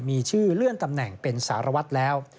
มีชื่อเลื่อนตำแหน่งเป็นสารวัตรแล้ว